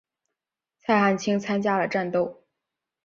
蔡汉卿参加了战斗。